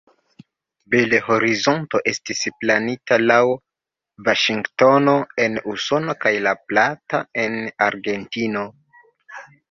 Bel-Horizonto estis planita laŭ Vaŝingtono en Usono kaj La Plata en Argentino.